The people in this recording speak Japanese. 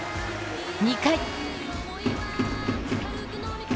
２回。